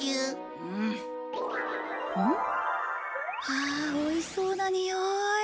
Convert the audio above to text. ああおいしそうなにおい。